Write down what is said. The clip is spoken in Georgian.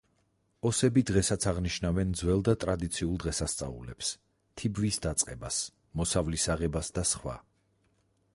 ოსები დღესაც აღნიშნავენ ძველ და ტრადიციულ დღესასწაულებს: თიბვის დაწყებას, მოსავლის აღებას და სხვა.